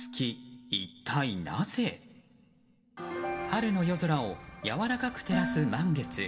春の夜空をやわらかく照らす満月。